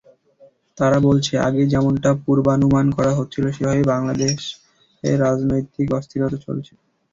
তারা বলছে, আগেই যেমনটা পূর্বানুমান করা হচ্ছিল সেভাবেই বাংলাদেশে রাজনৈতিক অস্থিরতা চলছে।